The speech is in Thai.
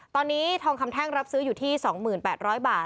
ตอนนี้ทองคำแท่งรับซื้ออยู่ที่๒๘๐๐บาท